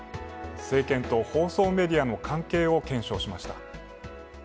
政権と放送メディアの関係を検証しました。